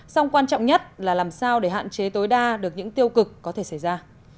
song quan trọng nhất là làm sao để hạn chế tối đa được những tiêu cực có thể xảy ra